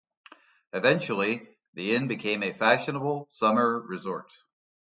Eventually, the inn became a fashionable summer resort.